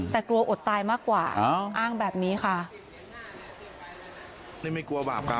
แต่กลัวอดตายมากกว่าอ้าวอ้างแบบนี้ค่ะนี่ไม่กลัวบาปกรรม